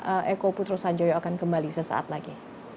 eko putro sanjoyo akan kembali sesaat lagi